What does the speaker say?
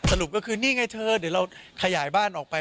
สรุปก็คือนี่ไงเธอเดี๋ยวเราขยายบ้านออกไป